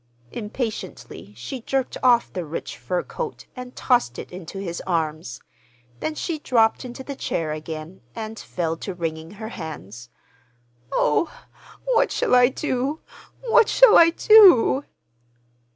Impatiently she jerked off the rich fur coat and tossed it into his arms; then she dropped into the chair again and fell to wringing her hands. "Oh, what shall I do, what shall I do?"